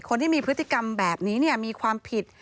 คนที่มีพฤติกรรมแบบนี้มีความผิด